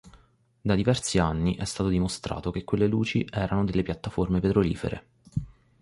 Da diversi anni è stato dimostrato che quelle luci erano delle piattaforme petrolifere.